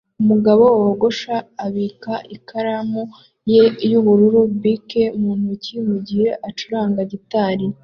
Umugabo wogosha abika ikaramu ye yubururu Bic mu ntoki mugihe acuranga gitari